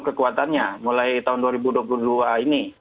kekuatannya mulai tahun dua ribu dua puluh dua ini